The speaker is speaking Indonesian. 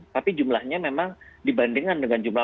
tapi jumlahnya memang dibandingkan dengan jumlah